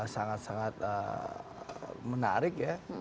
sangat sangat menarik ya